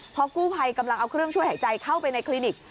พอกู้ภัยกำลังเอาเครื่องช่วยหายใจเข้าไปในคลินิก